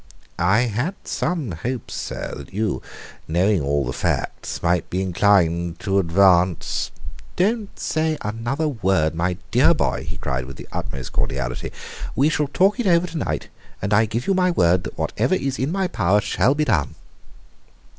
"I had some hopes, sir, that you, knowing all the facts, might be inclined to advance " "Don't say another word, my dear boy," he cried, with the utmost cordiality; "we shall talk it over tonight, and I give you my word that whatever is in my power shall be done."